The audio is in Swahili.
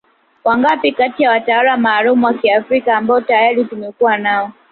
Wangapi kati ya watawala maalum wa Kiafrika ambao tayari tumekuwa nao